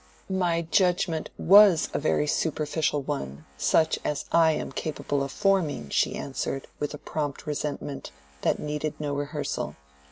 "My judgment was a very superficial one—such as I am capable of forming," she answered, with a prompt resentment, that needed no rehearsal.